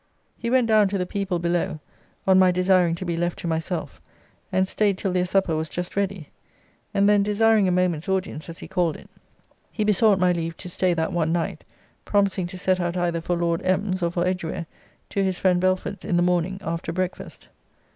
He went down to the people below, on my desiring to be left to myself; and staid till their supper was just ready; and then, desiring a moment's audience, as he called it, he besought my leave to stay that one night, promising to set out either for Lord M.'s, or for Edgeware, to his friend Belford's, in the morning, after breakfast.